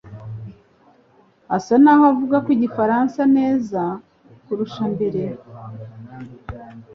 asa naho avuga igifaransa neza kurusha mbere.